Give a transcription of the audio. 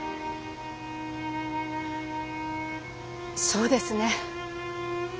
そうですね。